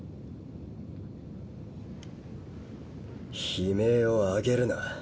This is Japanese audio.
悲鳴を上げるな。